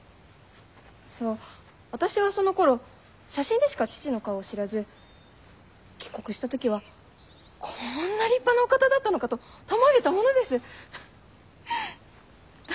そう私はそのころ写真でしか父の顔を知らず帰国した時はこんな立派なお方だったのかとたまげたものです。